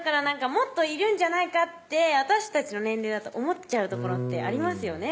もっといるんじゃないかって私たちの年齢だと思っちゃうところってありますよね